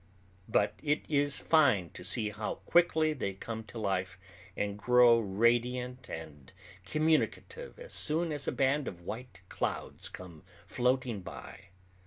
But it is fine to see how quickly they come to life and grow radiant and communicative as soon as a band of white clouds come floating by.